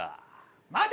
待て！